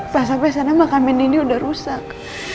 pas sampe sana makamnya nindi udah rusak